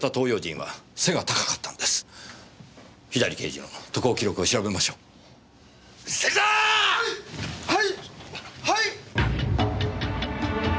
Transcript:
はい。